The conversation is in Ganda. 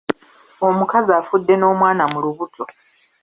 Omukazi afudde n’omwana mu lubuto.